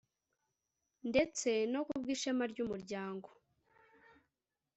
ndetse no kubwishema ry’umuryango.